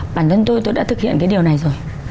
bản thân tôi tôi đã thực hiện cái điều này rồi